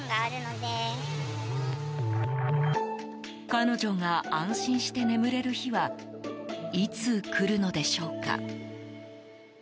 彼女が安心して眠れる日はいつ来るのでしょうか。